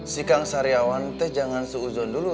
si kang saryawan teh jangan seuzon dulu